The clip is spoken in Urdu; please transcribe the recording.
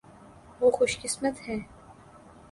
وہ خوش قسمت ہیں۔